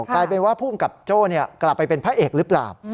กลายเป็นว่าภูมิกับโจ้กลับไปเป็นพระเอกหรือเปล่า